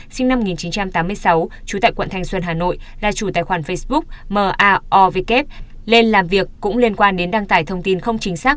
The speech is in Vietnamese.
sinh năm một nghìn chín trăm tám mươi sáu trú tại quận thanh xuân hà nội là chủ tài khoản facebook marwk lên làm việc cũng liên quan đến đăng tải thông tin không chính xác